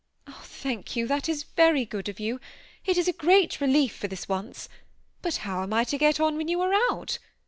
" Thank you, that is very good of you. It is a great relief for this once ; but how am I to get on when you are out?